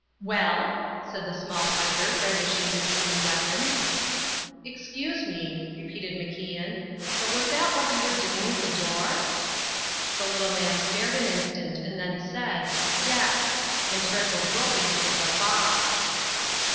"Well?" said the small fighter, brandishing his wooden weapon. "Excuse me," repeated MacIan, "but was that what you were doing at the door?" The little man stared an instant and then said: "Yes," and Turnbull broke into a guffaw.